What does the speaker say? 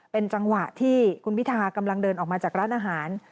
เป็นจังหวะที่คุณพิทากำลังเดินออกมาจากร้านอาหาร